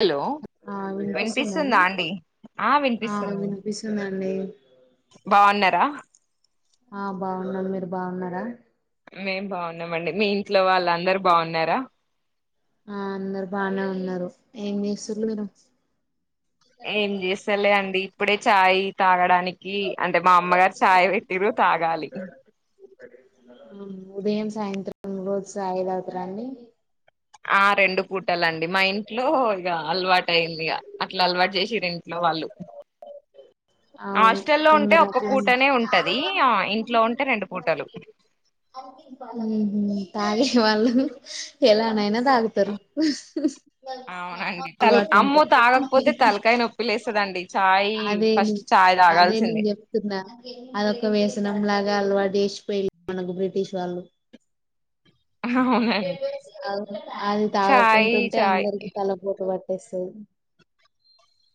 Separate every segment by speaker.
Speaker 1: Hello
Speaker 2: ఆ
Speaker 1: వినిపిస్తుందా
Speaker 2: వినిపిస్తుందండి
Speaker 1: అండి
Speaker 2: ఆ వినిపిస్తుందండి
Speaker 1: బాగున్నారా
Speaker 2: ఆ బాగున్నాం మీరు బాగున్నారా
Speaker 1: మేం బాగున్నామండి మీ ఇంట్లో వాళ్ళందరు బాగున్నారా
Speaker 2: ఆ అందరు బానే ఉన్నారు ఏం చేసిళ్ళు మీరు
Speaker 1: ఏం చేస్తలే అండి ఇప్పుడే చాయ్ తాగడానికి గి అంటే మా అమ్మగారు చాయ్ పెట్టిరు తాగాలి
Speaker 2: ఉదయం సాయంత్రం రోజు చాయ్ తగ్గుతారా అండి
Speaker 1: ఆ రెండు పూటలండి మా ఇంట్లో ఇక అలవాటు అయింది ఇక అట్లా అలవాటు చేసారు ఇంట్లో వాళ్ళు
Speaker 2: అవును
Speaker 1: హాస్టల్లో ఉంటే
Speaker 2: కొందరు
Speaker 1: ఒక్క
Speaker 2: అట్లా
Speaker 1: పూటనే ఉంటది ఆ ఇంట్లో ఉంటే రెండు పూటలు
Speaker 2: ఉమ్ తగ్గేవలు ఎలాన్నాయినా తాగుతారు
Speaker 1: అవునండి తల్
Speaker 2: అలవాటు ఉంటే
Speaker 1: డి చాయ్
Speaker 2: అదే
Speaker 1: ఫస్ట్
Speaker 2: నే-
Speaker 1: చాయ్
Speaker 2: అదే నేను
Speaker 1: తాగాల్సిందే
Speaker 2: చెప్తున్నా అదొక వ్యసనం లా గా అలవాట్టు చేసిపోయిల్లు మనకు బ్రిటిష్ వాళ్ళు
Speaker 1: అవునండి
Speaker 2: అవును అది
Speaker 1: చాయ్
Speaker 2: తాగకుంటుంటే
Speaker 1: చాయ్
Speaker 2: అందరికి తలపోటు ప వస్తాది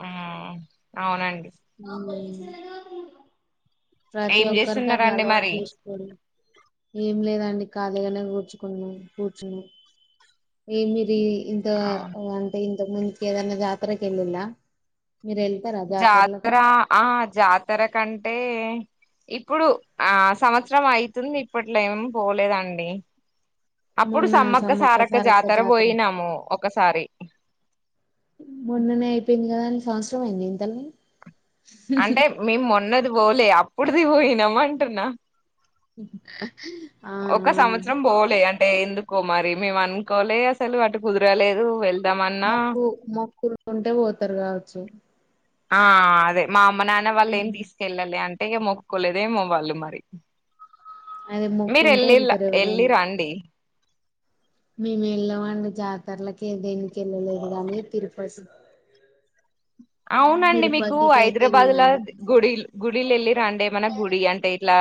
Speaker 1: ఆ అవునండి
Speaker 2: ఉమ్ ప్రతి
Speaker 1: ఏం
Speaker 2: ఒక్కరికి అట్లా
Speaker 1: చేస్తున్నారండి
Speaker 2: అలవాటు
Speaker 1: మరి
Speaker 2: చేసుకోడు ఏం లేదాండి ఖాళీగానే కూర్చు కూర్చున్న ఏమి ఇ ఇంత
Speaker 1: అవును
Speaker 2: అంటే ఇంత ముందుక ఏదన్నా జాతర వెళ్ళలా
Speaker 1: జాతర ఆ జాతర కంటే ఇప్పుడు ఆ సంవత్సరం అయితుంది ఇప్పట్లో ఏమ పోలేదండి అప్పుడు సమ్మక్క సారక్క జాతర పోయినాము ఒకసారి
Speaker 2: మొన్ననే అయిపోయింది కదా అండి సంవత్సరం అయింది ఇంతల్ని
Speaker 1: అంటే మేము మొన్నది పోలే అప్పుడుది పోయినామ అంటున్నా
Speaker 2: ఆ ఆ
Speaker 1: ఒక సంవత్సరం పోలే అంటే ఎందుకు కుమారి మేము ఆన్కొలె అసలు అటు కుదరలేదు వె
Speaker 2: మొక్కు మొక్కులు ఉంటే పోతారు కావచ్చు
Speaker 1: ఆ అదే మా అమ్మ నాన్న వాళ్ళు ఏం
Speaker 2: ఉమ్.
Speaker 1: తీష్కెళ్ళాలి అం ఇక మొక్కులోలేదేమో వాళ్ళు మరి
Speaker 2: అదే మొక్కు
Speaker 1: మీరు
Speaker 2: ఉంటే
Speaker 1: ఎల్లిలా
Speaker 2: వెళ్తారు
Speaker 1: ఏళ్ళిరండి
Speaker 2: మేమెల్లమ్మండి జాతర్లకి ఏ దేనికి వెళ్ళలేదు గానీ తిరుపతి
Speaker 1: అవునండి మీకు
Speaker 2: తిరుపతికి అయితే
Speaker 1: హైదరాబాద్లో
Speaker 2: వెళ్ళాము
Speaker 1: గుడిల్ గుడిలు ఏళ్ళిరా అండి ఏమైనా గుడి అంటే ఇట్లా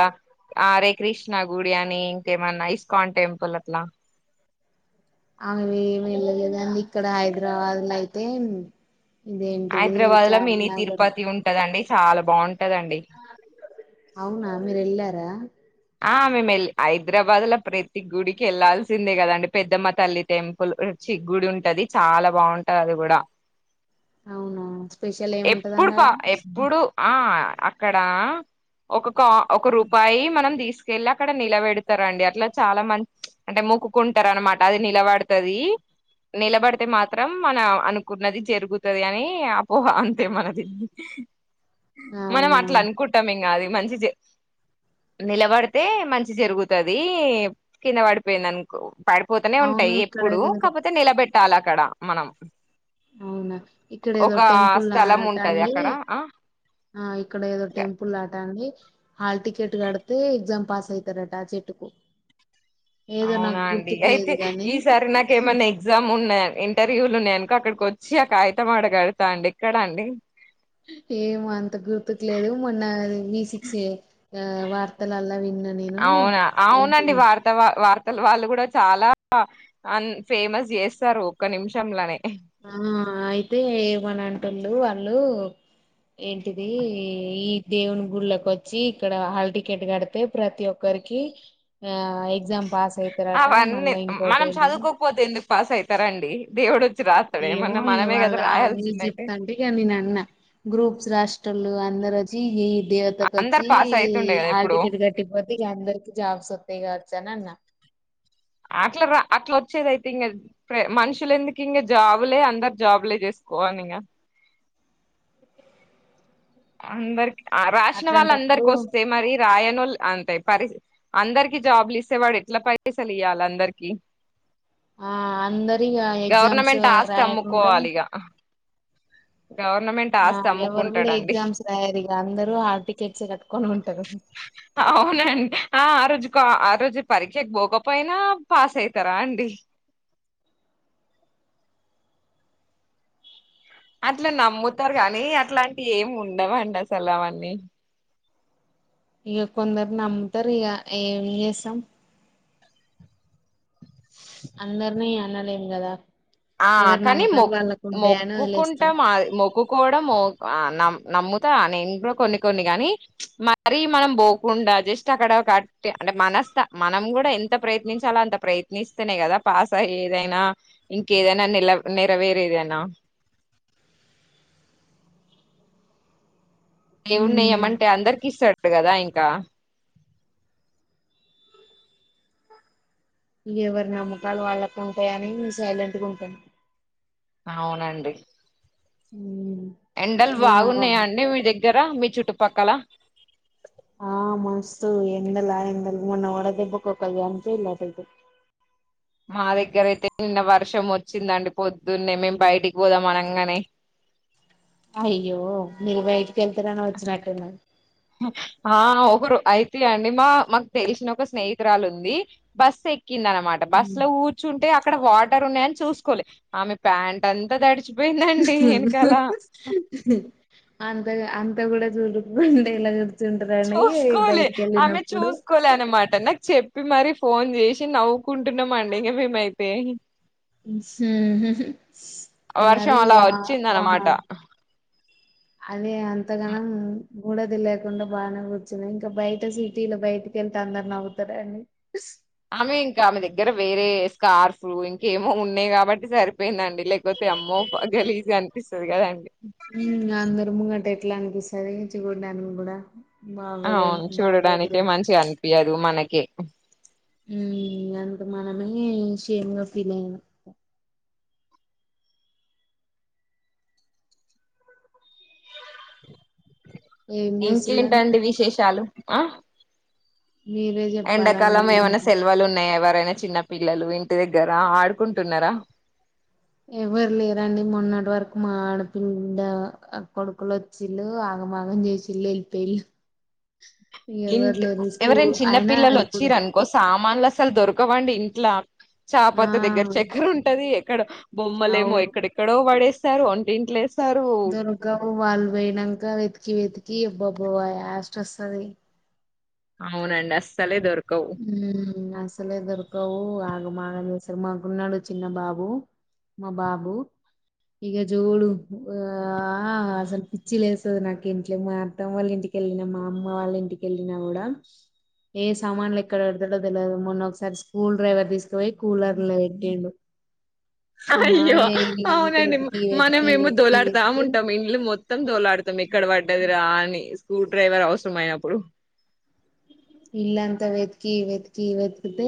Speaker 1: ఆరే కృష్ణ గుడి అని ఇంకేమన్నా ఇస్కాన్ టెంపుల్ అట్లా
Speaker 2: అవేమి వెళ్ళలేదండి ఇక్కడ హైదరాబాద్లో అయితే ఇదేంటిది
Speaker 1: హైదరాబాద్లో మినీ
Speaker 2: చార్మినగర్
Speaker 1: తిరుపతి ఉంటదండి చాలా బొంటదండి
Speaker 2: అవునా మీరేల్లారా
Speaker 1: ఆ మేమెల్ హైదరాబాద్లో ప్రతి గుడికి ఎళ్ళాల్సిందే కదండి పెద్దమ్మ తల్లి టెంపుల్ చి గుడుంటాది చాలా బొంటది అది కూడా
Speaker 2: అవునా స్పెషల్
Speaker 1: ఎప్పుడు
Speaker 2: ఏముంటదండి ఆడ
Speaker 1: పా ఎప్పుడు ఆ అక్కడ ఒకక ఒక రూపాయి మనం తీస్ కెళ్ళి అక్కడ నిలబెడతారండి అట్లా చాలా మం అంటే మొక్కుకుంటారు అనమాట అది నిలబడతాది నిలబడితే మాత్రం మనం అనుకున్నది జరుగుతుంది అని అపోహ అంతే మనది మనం
Speaker 2: అవునా
Speaker 1: అట్లా అనుకుంటామేం కాదు మంచిచే నిలబడడే తే మంచి జరుగుతది కింద పడిపోయిందాంకో పడిపోతనే
Speaker 2: అవును
Speaker 1: ఉంటాయి
Speaker 2: ఇక్కడ
Speaker 1: ఎప్పుడు
Speaker 2: ఏదో
Speaker 1: కాకపోతే నిలబెట్టాలి అక్కడ మనం
Speaker 2: అవునా ఇక్కడ ఏదో
Speaker 1: ఒక
Speaker 2: టెంపుల్
Speaker 1: స్థలం ఉంటది
Speaker 2: ఆటండి
Speaker 1: అక్కడ ఆ
Speaker 2: ఆ ఇక్కడేదో టెంపుల్ ఆటండి హాల్ టికెట్ కడితే ఎగ్జామ్ పాస్ అయితారట ఆ చెట్టుకు ఏదో నాకు
Speaker 1: అవునా అండి
Speaker 2: గుర్తుకు
Speaker 1: అయితే
Speaker 2: లేదు గాని
Speaker 1: ఈసారి నాకేమైన్నా ఎగ్జామ్ ఉన్నా ఇంటర్వ్యూలు ఉన్నాయనుకో అక్కడికి వచ్చి అకైతం అడా కడతా అండి ఎక్కడ అండి
Speaker 2: ఎమో అంత గుర్తుకు లేదు మొన్న వి సిక్స్ ఆ వర్తలల విన్నా నేను
Speaker 1: అవునా అవునండి
Speaker 2: ఏంటిది
Speaker 1: వార్తవ అసలు వాళ్ళు కూడా చాలా అన్ ఫేమస్ చేస్తారు ఒక్క నిమిషంలనే
Speaker 2: ఆ అయితే ఏమని అంటుడు వాళ్ళు ఏంటిది ఈ దేవుని గుళ్లోకొచ్చి ఇక్కడ హల్ టికెట్ కడితే ప్రతి ఒక్కరు అందర్కి ఆ ఎగ్జామ్ పాస్ అయితారట
Speaker 1: అవన్నీ
Speaker 2: మళ్ళా ఇంకోటి
Speaker 1: మనం
Speaker 2: ఏంటిది
Speaker 1: చదువుకోపోతే ఎందుకు పాస్ అయితరండీ దేవుడు రాస్తాడు
Speaker 2: ఏమో
Speaker 1: ఏమన్నా మనమే
Speaker 2: ఇవాళ
Speaker 1: కదా
Speaker 2: మీరు
Speaker 1: రాయాల్సింది అయితే
Speaker 2: చెప్తాంటే ఇగ నేనన్న గ్రూప్స్ రాస్ టోలు అందర్రచి హిల్ దేవతకు
Speaker 1: అందరు
Speaker 2: వచ్చి
Speaker 1: పాస్ అయితుండే కదా
Speaker 2: హాల్
Speaker 1: ఎప్పుడు
Speaker 2: టికెట్ కట్టిపోతే ఇక అందరికి జాబ్స్ ఓ దిగోచ్చనన్న
Speaker 1: అట్లా రా అట్లా వచ్చేదయితే ఇంక మనుషులెందుకు ఇంగ జాబులే అందరు జాబులే చేస్ కోనింగ అందరికి రాసిన వాళ్ళ
Speaker 2: అట్లాంటప్పుడు
Speaker 1: అందరికి వస్తే మరి రాయనోల్ అంతే పరిస్ అందరికి జోబులిస్తే వాడు ఎట్లా పైసలు ఇయాలి అందర్కి
Speaker 2: ఆ అందరి ఇగ ఎగ్జామ్స్
Speaker 1: గవర్నమెంట్ ఆస్తి
Speaker 2: రాయకుండా
Speaker 1: అమ్ముకోవాలిగా
Speaker 2: ఆ ఎవరు కూడా
Speaker 1: అమ్ముకుంటాడండి
Speaker 2: ఎగ్జామ్స్ రాయారు ఇక అందరుూ హాల్ టికెట్స్ కట్టుకొని ఉంటరు
Speaker 1: అవునండి ఆ ఆ రోజు క ఆ రోజు పరీక్షకి పోకపోయినా పాస్ అయితారా అండి అట్లా నమ్ముతారు కానీ అట్లాంటి ఏమి ఉండవండి అసలు అవన్నీ
Speaker 2: ఇయ కొందరు నమ్ముతారు ఇగ ఏం చేస్తాం అందర్ని అనలేం కదా
Speaker 1: ఆ
Speaker 2: ఎవరి
Speaker 1: కానీ మొ
Speaker 2: నమ్మకాలు వాళ్ళకు ఉంటాయని వదిలేస్తాం
Speaker 1: మొక్కుకుంటాం మొక్కుకోవడం ఆ నమ్ నమ్ముతా నేను కూడ ఇంట్లో కొన్ని కొన్ని గాని మరి మనం పోకుండా జస్ట్ అక్కడ కట్టి అంటే మనస్త మనం కూడా ఎంత ప్రయత్నించాలో అంత ప్రయత్నిస్తేనే కదా పాస్ అయ్యేదైనా ఇంకేదైనా నెల నెరవేరేదేనా ఏ ఉన్నాయ
Speaker 2: ఉమ్
Speaker 1: ఏమంటే అందరికిీ ఇస్తాడు కదా ఇంకా
Speaker 2: ఎవరి నమ్మకాలు వాళ్ళకు ఉంటాయని నే సైలెంట్ గా ఉంటాను
Speaker 1: అవునండి
Speaker 2: ఉ
Speaker 1: ఎండలు బాగున్నాయా అండి మీ దగ్గర మీ చుట్టుపక్కల
Speaker 2: ఆ మస్తు ఎండలా ఎండ మొన్న ఒడదెబ్బకు క్యాం చేయ
Speaker 1: మా దగ్గర అయితే నిన్న వర్షం వచ్చిందండి పొద్దున్నే మేం బయటికి పోదాం అనంగానే
Speaker 2: అయ్యో మీరు బయటికి వెళ్తరను వచ్చినా
Speaker 1: ఆ ఒకరు అయితే అండి మా మాకు తెలిసిన ఒక స్నేహితురాలు ఉంది బస్ కింద అనమాట
Speaker 2: ఉమ్
Speaker 1: బస్సులో కూర్చుంటే అక్కడ వాటర్ ఉన్నాయని చూసుకోలే ఆమె ప్యాంట్ అంతా తడిసి
Speaker 2: అంతగా అం కూడా చూరుండ ఎలా కూర్చుంటారండి
Speaker 1: చూసుకోలే
Speaker 2: బయటికి
Speaker 1: ఆమె
Speaker 2: వెళ్ళినప్పుడు
Speaker 1: చూసుకోలే అనమాట నా చెప్పి మరి ఫోన్ చేసి నవ్వుకుంటున్నాం అండి ఇంగ మేమైతే
Speaker 2: మ్ హు
Speaker 1: వర్షం
Speaker 2: మరి
Speaker 1: అలా
Speaker 2: వా
Speaker 1: వచ్చింది అనమాట
Speaker 2: మళ్ళి అంతగానం గూడది లేకుండా బానే కూర్చన్నా ఇంకా బయట సిటీలో బయటకి వెళ్తే అందరు నవ్వుతారండి
Speaker 1: ఆమె ఇంకా ఆమె దగ్గర వేరే స్కార్ఫ్లు ఇంకేమో ఉన్నాయి కాబట్టి సరి అయిపోయిందండి లేకపోతే అమ్మో గలీజుగా అనిపిస్తది కదండి
Speaker 2: ఉమ్ అందరు ముంగట ఎట్లా అనిపిస్తది చికూన కూడా బాగోదు
Speaker 1: అవును
Speaker 2: బాగోదు
Speaker 1: చూడడానికే
Speaker 2: కదా
Speaker 1: మంచిగా అనిపియదు మనకే
Speaker 2: మ్ అంట మనమే షేమ్ గా ఫీల్ అయిన ఏం చేస్తులండి
Speaker 1: ఇంకేంటండి
Speaker 2: ఇంకా
Speaker 1: విశేషాలు ఆ
Speaker 2: మీరే చెప్పాలండి
Speaker 1: ఎండాకాలం ఏమైనా
Speaker 2: ఇంకా
Speaker 1: సెల్వలు ఉన్నాయా ఎవ ఎవరైనా చిన్న పిల్లలు ఇంటి దగ్గర ఆడుకుంటున్నారా
Speaker 2: ఎవరు లేరండి మొన్నటి వరకు మా ఆడపిండ కొడుకులు వచ్చిలు మా మాగం జేసిల్లే పెల్
Speaker 1: ఇంట్
Speaker 2: స్కూల్
Speaker 1: ఎవరైనా చిన్న
Speaker 2: అయినా
Speaker 1: పిల్లలు
Speaker 2: ఇప్పుడు
Speaker 1: వచ్చిరనుకో సామాన్ల అసలు దొరకవండి ఇంట్లో
Speaker 2: ఆ
Speaker 1: చాపత దగ్గర చక్కెర ఉంటది ఎక్కడ బొమ్మలేమో
Speaker 2: అవును
Speaker 1: ఎక్కడెక్కడో వడేస్తారు వంటింట్లోస్
Speaker 2: దొరకము వాల్పోయినంకా ఎతికి వెతికి ఈ అబ్బా అబ్బాబ యాస్ట్ వస్తది
Speaker 1: అవునండి అస్ సలే దొరకు
Speaker 2: ఉ అసలే దొర్కవు మాగా చేసారు మా గున్నాడు చిన్న బాబు మా బాబు ఇగ జూడు ఆ ఆ అసలు పిచ్చి లేస్తది నాకు ఇంట్లో మా అత్తమ్మ వల్ల ఇంటికి ళ్ళిన మా అమ్మ వాళ్ళ ఇంటికెళ్ళిన కూడా ఏ సామాన్లు ఎక్కడ పెడతాడో తెలిదు మొన్న ఒకసారి స్కూల్ డ్రైవర్ తీసుకుపోయి కూలర్ లో పెట్టిండు మా
Speaker 1: అయ్యో
Speaker 2: మామయ్య ఇల్లంతా
Speaker 1: అవునండి
Speaker 2: వెతికి
Speaker 1: మన
Speaker 2: వెతికి
Speaker 1: మేము
Speaker 2: వెతికి వెతికి
Speaker 1: దోలాడుతాముంటాం ఇండ్లు మొత్తం దోలాడు పతం ఎక్కడ పడ్డది రా అని స్క్రూ డ్రైవర్ అవసరం అయినప్పుడు
Speaker 2: ఇళ్లంత వెతికి వెతకి వెతుకితే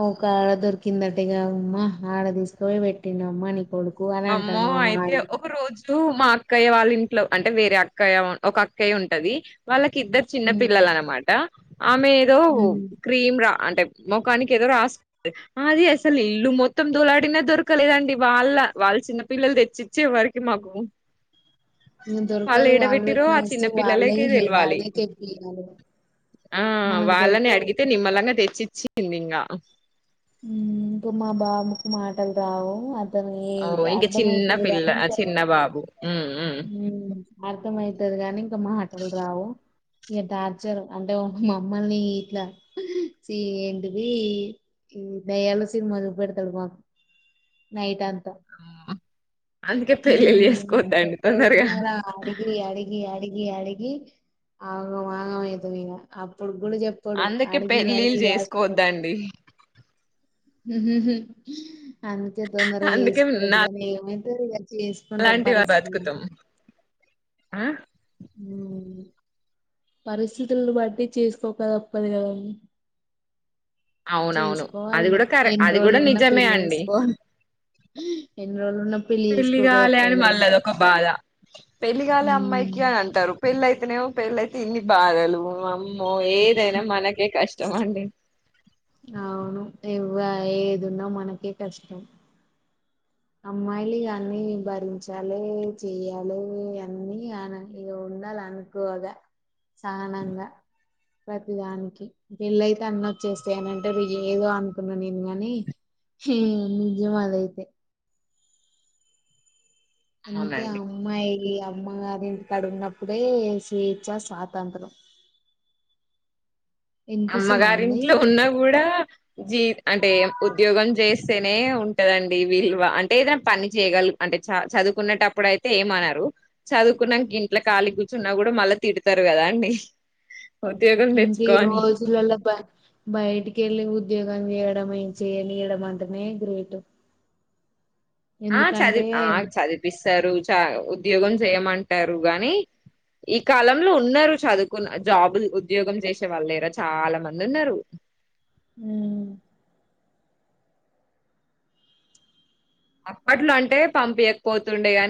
Speaker 2: ఓ క ఆడ దొరికిందట్టేగా అమ్మా ఆడ తీసుకోయి పెట్టిండ అమ్మా నీ కొడుకు అని
Speaker 1: అమ్మో
Speaker 2: అంటాండు మా
Speaker 1: అయితే
Speaker 2: మావయ్య
Speaker 1: ఒక రోజు మా అక్కయ్య వాళ్ళ ఇంట్లో అంటే వేరే అక్కయ్య ఒక అక్కయ్య ఉంటది వాళ్ళ కి ఇద్దరు చిన్న
Speaker 2: ఉమ్
Speaker 1: పిల్లలు అనమాట ఆమె ఏదో
Speaker 2: ఉమ్
Speaker 1: క్రీమ్ రా అంటే ముఖానికి ఏదో రాస్తుంది అది అసలు ఇల్లు మొత్తం దూలాడినా దొరకలేదండి వాళ్ళ వాళ్ళ చిన్న పిల్లలు తెచ్చిచ్చే వరికి మాకు
Speaker 2: ఇగ
Speaker 1: వాళ్ళు
Speaker 2: దొరకదు
Speaker 1: ఏడబెట్టిరో
Speaker 2: పెట్టిన
Speaker 1: ఆ చిన్న
Speaker 2: వస్తువు వాళ్ళే
Speaker 1: పిల్లలకె తెలివాలి
Speaker 2: వాళ్ళే చెప్పియాలి
Speaker 1: ఆ
Speaker 2: మనకు
Speaker 1: వాళ్ళని
Speaker 2: దొరకవు
Speaker 1: అడిగితే నిమ్మల్లంగా తెచ్చిచ్చింది ఇంగ
Speaker 2: ఇంక మా బాబుకు మాటలు రావు అ తమి
Speaker 1: ఓ ఇంక చిన్న
Speaker 2: అర్ధమైతది
Speaker 1: పిల్ల
Speaker 2: గాని ఇంక
Speaker 1: చిన్న బాబు ఉమ్ ఉమ్
Speaker 2: అర్థం అయితది గాని ఇంకా మాటలు రావు ఇగ టార్చర్ అంటే మమ్మల్ని ఇట్లా సి ఏంటిది ఈ దయ్యల సినిమాసుబెడతాడు మాకు నైట్ అంత
Speaker 1: అందుకే పెళ్ళిళ్ళు చేసుకోవద్దండి
Speaker 2: ఎక్కడ పెట్టిన
Speaker 1: తొందరగా
Speaker 2: కూడ అడిగి అడిగి అడిగి అడిగి అడిగి ఆగం ఆగం అయితది ఇంగ అప్పుడు ప్పుడు చెప్పడు
Speaker 1: అందుకే
Speaker 2: అడిగి
Speaker 1: పెళ్ళిళ్ళు
Speaker 2: అడిగి యష్టాకొస్తది
Speaker 1: చేసుకోవద్దండి
Speaker 2: అందుకే తొందర
Speaker 1: అందుకే
Speaker 2: చెస్తకోద్గాని ఏమైతది చేసుకుంటాం
Speaker 1: నాలాంటి వారు
Speaker 2: పరిశ్రి
Speaker 1: బతుకుతాం ఆ
Speaker 2: మ్ పరిస్థితులను బట్టి చేసుకోకదప్పదు కదం
Speaker 1: అవునవును అది
Speaker 2: చేసుకోవాలిగా
Speaker 1: కూడా కరె
Speaker 2: ఎన్ని
Speaker 1: అది కూడా
Speaker 2: రోజులున్నా
Speaker 1: నిజమే
Speaker 2: పెళ్లి
Speaker 1: అండి
Speaker 2: జేసుకోవాలి ఎన్రొళున్నా
Speaker 1: పెళ్లి కాలే అని మళ్ళ అదొక బాధ పెళ్లి కాలే
Speaker 2: హ్మ్
Speaker 1: అమ్మాయికి అని అంటారు పెళ్ళయితేనేమో పెళ్ళయితే ఇన్ని బాధలు అమ్మో ఏదైనా మనకే కష్ ష్ట మండి
Speaker 2: అవును ఎవ్వ ఏ ఏదున్నా మనకే కష్టం అమ్మాయిలు ఇగ అన్ని భరించాలే చెయ్యాలే అన్నీ ఇగ ఉండాలే అనుకువగా సహణంగా ప్రతిదానికి పెళ్ళయితే అన్నోచ్చేస్తాయి అనంటరు ఏదో అనుకున్నా నేను గాని నిజంమదయితే అందుకే
Speaker 1: అవునండి
Speaker 2: అమ్మాయి కి అమ్మగారి ఇంటికాడ ఉన్నప్పుడే స్వేచ్ఛ స్వాతంత్రం వినిపిస్తుందా అండి
Speaker 1: అమ్మగారింట్లో ఉన్న కూడా జీ అంటే ఉద్యోగం చేస్తేనే ఉంటదండి వీల్వ అంటే ఏదైనా పని చేయగల అంటే చ చ చదువుకునెటప్పుడు అయితే ఏమనరు చదువుకున్నాంక ఇంట్లో కాలి కూర్చున్నా కూడా మళ్ళా తిడతారు కదా అండి ఉద్యోగం
Speaker 2: ఇంక ఈ
Speaker 1: తెచ్చుకో అని
Speaker 2: రోజులలో బ బయటికి వెళ్ళి ఉద్యోగం చేయడం చేయనియడం అంటేనే గ్రేటు
Speaker 1: ఆ చది ఆ చదిపిస్తారు చ ఉద్యోగం చేయమంటారు గానీ ఈ కాలంలో ఉన్నారు చదువుకున్న జాబు ఉద్యోగం చేసే వాళ్ళులెరా చాలా మంది ఉన్నారు
Speaker 2: ఉ
Speaker 1: అప్పట్లో అంటే పంపియకపోతుండే గాని